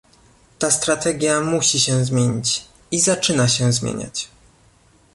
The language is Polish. Ta strategia musi się zmienić - i zaczyna się zmieniać